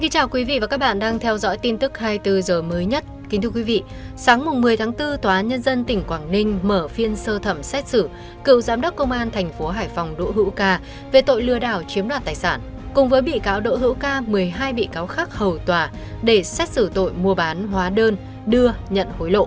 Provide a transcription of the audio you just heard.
hãy đăng ký kênh để ủng hộ kênh của chúng mình nhé